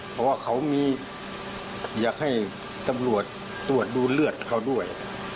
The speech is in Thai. เพราะว่าเขามีอยากให้ตำรวจตรวจดูเลือดเขาด้วย